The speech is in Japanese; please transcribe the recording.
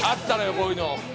こういうの。